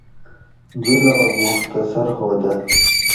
جولاگ مختصر ہودہ